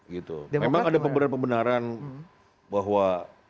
gitu memang ada pemberan pemberanan bahwa